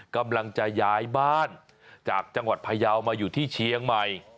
กำลังจะย้ายบ้านจากจังหวัดพยาวมาอยู่ที่เชียงใหม่